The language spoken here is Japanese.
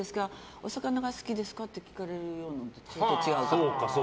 お魚が好きですか？って聞かれるのとちょっと違うか。